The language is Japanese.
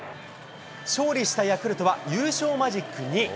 勝利したヤクルトは優勝マジック２。